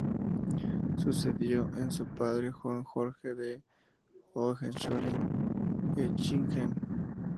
Sucedió a su padre Juan Jorge de Hohenzollern-Hechingen.